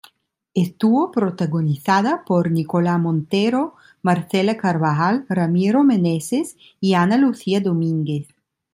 Estuvo protagonizada por Nicolás Montero, Marcela Carvajal, Ramiro Meneses y Ana Lucía Domínguez.